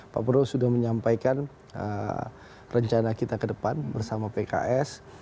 pak prabowo sudah menyampaikan rencana kita ke depan bersama pks